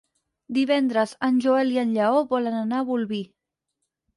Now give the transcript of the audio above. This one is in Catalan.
Divendres en Joel i en Lleó volen anar a Bolvir.